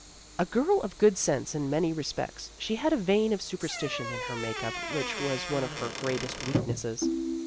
A girl of good sense in many respects, she had a vein of superstition in her make up which was one of her greatest weaknesses.